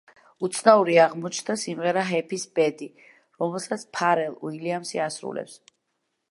უცნაური აღმოჩნდა სიმღერა „ჰეფის“ ბედი, რომელსაც ფარელ უილიამსი ასრულებს.